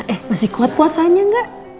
eh masih kuat puasanya nggak